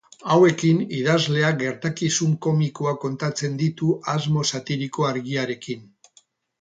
Hauekin idazleak gertakizun komikoak kontatzen ditu asmo satiriko argiarekin.